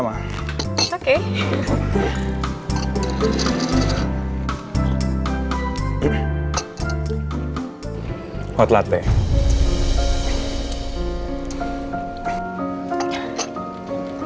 gak ada sejarah yang gue lupain